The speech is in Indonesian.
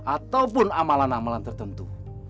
ataupun amalan amalan tertentu